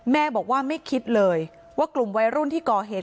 แม่บอกว่าไม่คิดเลยว่ากลุ่มวัยรุ่นที่ก่อเหตุ